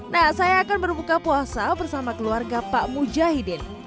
nah saya akan berbuka puasa bersama keluarga pak mujahidin